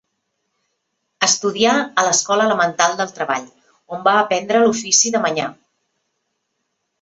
Estudià a l'Escola Elemental del Treball, on va aprendre l'ofici de manyà.